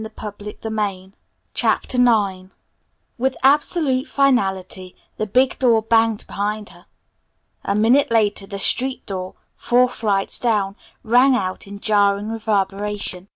Then in a flash she was gone. IX With absolute finality the big door banged behind her. A minute later the street door, four flights down, rang out in jarring reverberation.